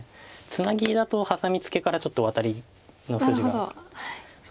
ツナギだとハサミツケからちょっとワタリの筋があるので。